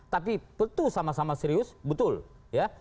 tapi betul sama sama serius betul ya